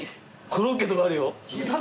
コロッケとかあるよ。